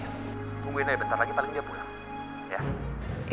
tungguin ya bentar lagi paling dia pulang